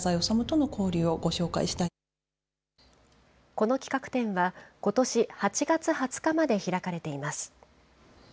この企画展は、ことし８月２０日まで開かれています。